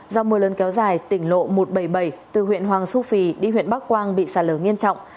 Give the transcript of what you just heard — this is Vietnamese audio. do mưa lớn kéo dài tỉnh lộ một trăm bảy mươi bảy từ huyện hoàng su phi đi huyện bắc quang bị sạt lở nghiêm trọng